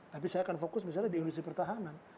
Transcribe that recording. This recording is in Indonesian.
tapi saya akan fokus misalnya di industri pertahanan